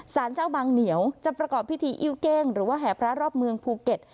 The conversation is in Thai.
สารเจ้าบางเหนียวจะประกอบพิธีอิ้วเก้งหรือว่าแห่พระรอบเมืองภูเก็ต